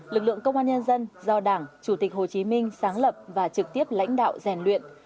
lực lượng công an nhân dân do đảng chủ tịch hồ chí minh sáng lập và trực tiếp lãnh đạo rèn luyện